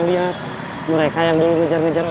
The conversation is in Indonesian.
kalian lihat langsung lah di depan saya